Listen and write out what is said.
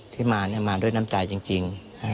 ที่มามาด้วยน้ำใจจริง